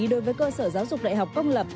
đối với cơ sở giáo dục đại học công lập